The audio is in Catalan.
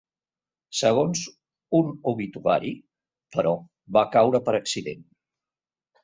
Segons un obituari, però, va caure per accident.